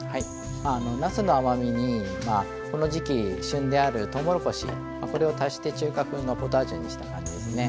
なすの甘みにこの時期旬であるとうもろこしこれを足して中華風のポタージュにした感じですね。